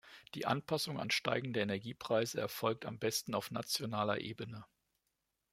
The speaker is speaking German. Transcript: Die Anpassung an steigende Energiepreise erfolgt am besten auf nationaler Ebene.